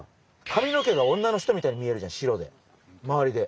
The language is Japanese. かみの毛が女の人みたいに見えるじゃん白で周りで。